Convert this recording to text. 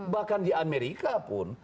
bahkan di amerika pun